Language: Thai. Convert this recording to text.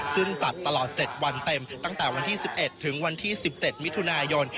ซึ่งจัดตลอดเจ็ดวันเต็มตั้งแต่วันที่สิบเอ็ดถึงวันที่สิบเจ็ดมิถุนายน